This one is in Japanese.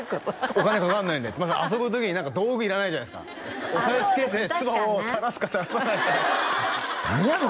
お金かかんないんで遊ぶ時に何か道具いらないじゃないですか押さえつけて唾をたらすかたらさないか何やの？